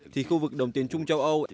thì khu vực đồng tiền chung châu âu